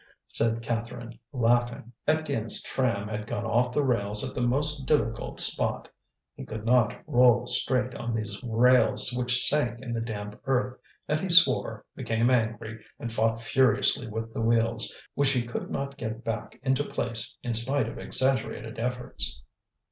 said Catherine, laughing. Étienne's tram had gone off the rails at the most difficult spot. He could not roll straight on these rails which sank in the damp earth, and he swore, became angry, and fought furiously with the wheels, which he could not get back into place in spite of exaggerated efforts.